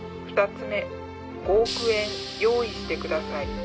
２つ目５億円用意してください